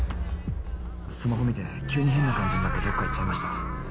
スマホ見て急に変な感じになってどっか行っちゃいました。